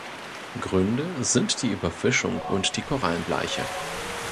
Gründe sind die Überfischung und die Korallenbleiche.